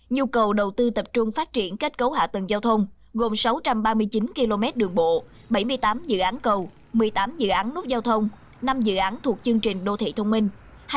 nhu cầu đầu tư tập trung phát triển kết cấu hạ tầng giao thông gồm sáu trăm ba mươi chín km đường bộ bảy mươi tám dự án cầu một mươi tám dự án nút giao thông năm dự án thuộc chương trình đô thị thông minh